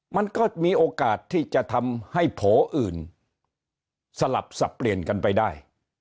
มันก็มีโอกาสที่จะทำให้โผล่อื่นสลับสับเปลี่ยนกันไปได้